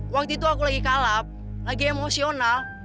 waktu itu aku lagi kalap lagi emosional